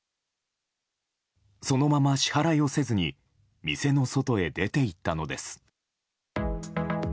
そのまま支払いをせずに店の外へ出ていったのです。